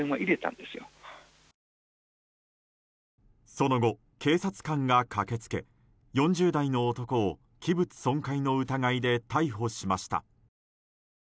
その後、警察官が駆け付け４０代の男を器物損壊の疑いで逮捕しました。